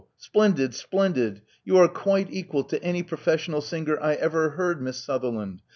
Splendid, splendid! You are quite equal to any professional singer I ever heard. Miss Suther land.